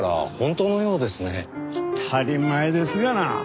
当たり前ですがな。